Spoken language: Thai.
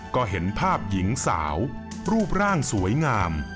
ก็เห็นภาพหญิงสาวรูปร่างสวยงาม